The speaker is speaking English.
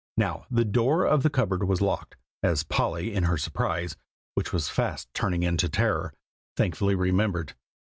Now the door of the cupboard was locked, as Polly, in her surprise, (which was fast turning into terror,) thankfully remembered.